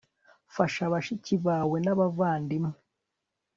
fasha bashiki bawe n'abavandimwe